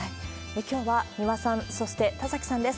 きょうは三輪さん、そして田崎さんです。